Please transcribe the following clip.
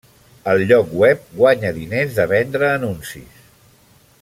El lloc web guanya diners de vendre anuncis.